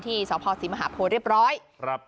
ที่สภศิมหาโภคเรียบร้อย